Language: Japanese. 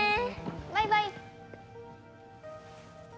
バイバイ！